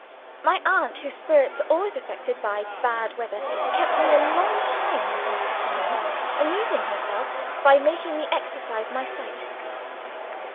My aunt, whose spirits are always affected by bad weather, kept me a long time in her sitting room, amusing herself by making me exercise my sight.